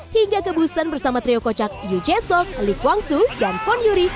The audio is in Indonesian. hingga kebusan bersama trio kocak yoo jae seok lee kwang soo dan kwon yuri